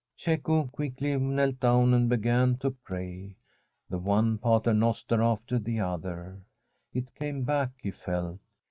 Cecco quickly knelt down and began to pray, the one Paternoster after the other. It came back, he felt.